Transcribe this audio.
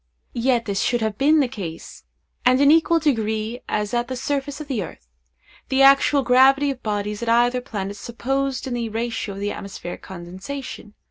Yet this should have been the case, and in an equal degree as at the surface of the earth, the actual gravity of bodies at either planet supposed in the ratio of the atmospheric condensation.